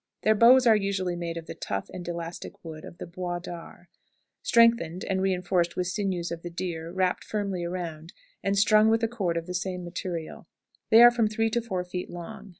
Their bows are usually made of the tough and elastic wood of the "bois d'are," strengthened and re enforced with sinews of the deer wrapped firmly around, and strung with a cord of the same material. They are from three to four feet long.